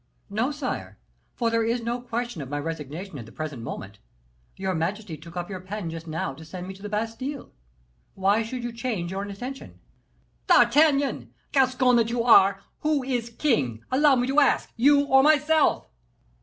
"No, sire; for there is no question of my resignation at the present moment. Your majesty took up your pen just now to send me to the Bastile, why should you change your intention?" "D'Artagnan! Gascon that you are! who is king, allow me to ask, you or myself?"